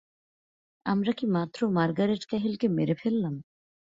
আমরা কি মাত্র মার্গারেট ক্যাহিলকে মেরে ফেললাম?